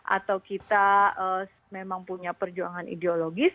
atau kita memang punya perjuangan ideologis